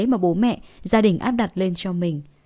mà bố mẹ gia đình áp đặt lên cho mình